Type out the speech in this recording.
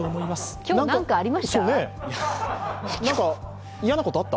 今日、何かありました？